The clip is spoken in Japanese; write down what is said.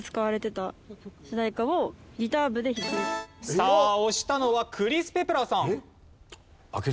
さあ押したのはクリス・ペプラーさん。